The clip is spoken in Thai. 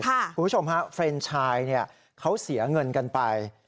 คุณผู้ชมฟรีนไชน์เขาเสียเงินกันไป